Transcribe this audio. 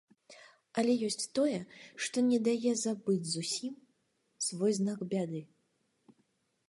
Але ёсць тое, што не дае забыць зусім, свой знак бяды.